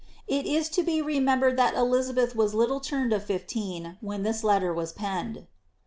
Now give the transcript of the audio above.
It ia to be remembered that Elizabeth was little turned of fifteen when this letter was penned.